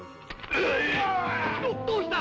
ど、どうした！